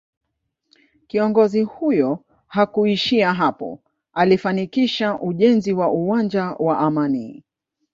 Kiongozi huyo hakuishia hapo alifanikisha ujenzi wa uwanja wa Amani